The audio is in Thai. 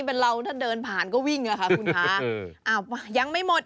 เป็นเราถ้าเดินผ่านก็วิ่งอะค่ะคุณคะอ้าวยังไม่หมด